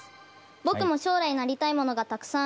僕も将来なりたいものがたくさんあります。